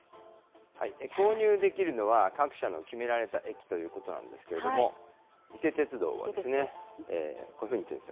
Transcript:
購入できるのは、各社の決められた駅ということなんですけれども、伊勢鉄道はですね、こういうふうに言ってるんです。